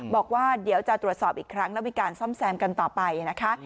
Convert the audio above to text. บอกว่าเดี๋ยวจะตรวจสอบอีกครั้งแล้วมีการซ่อมแซมกันต่อไปนะคะ